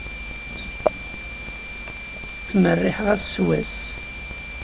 Ttmerriḥeɣ ass s wass.